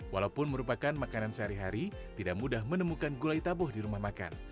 walaupun merupakan makanan sehari hari tidak mudah menemukan gulai taboh di rumah makan